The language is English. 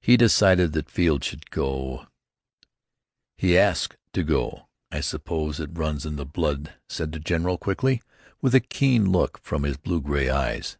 "He decided that Field should go " "He asked to go, I suppose It runs in the blood," said the general, quickly, with a keen look from his blue gray eyes.